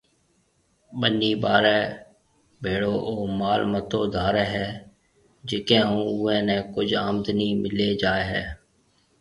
ٻنيَ ٻارَي ڀيݪو او مال متو ڌارَي ھيََََ جڪيَ ھون اُئيَ نيَ ڪجھ آمدنِي ملَي جائيَ ھيََََ